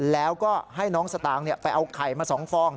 แล้วก็ให้น้องสตางค์ไปเอาไข่มา๒ฟอง